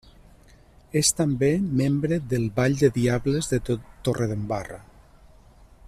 És, també, membre del Ball de Diables de Torredembarra.